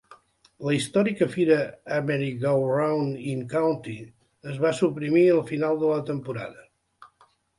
La històrica fira Ameri-Go-Round in County es va suprimir al final de la temporada.